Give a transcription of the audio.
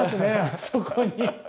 あそこに。